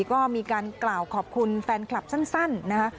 ก็มีการกล่าวขอบคุณแฟนคลับสั้นนะคะ